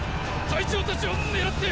隊長たちを狙って！